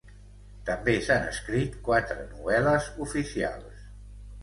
També s'han escrit quatre novel·les oficials.